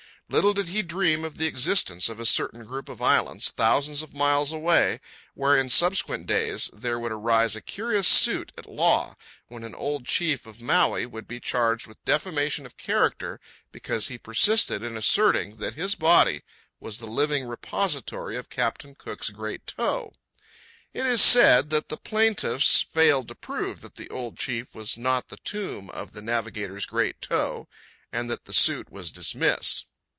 Little did he dream of the existence of a certain group of islands, thousands of miles away, where in subsequent days there would arise a curious suit at law, when an old chief of Maui would be charged with defamation of character because he persisted in asserting that his body was the living repository of Captain Cook's great toe. It is said that the plaintiffs failed to prove that the old chief was not the tomb of the navigator's great toe, and that the suit was dismissed.